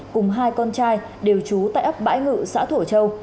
cùng hai con trai đều trú tại ấp bãi ngự xã thổ châu